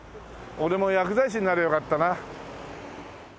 俺も薬剤師になりゃよかったな。